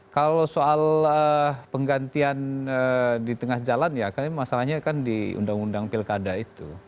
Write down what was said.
kalau soal penggantian di tengah jalan ya kan masalahnya kan di undang undang pilkada itu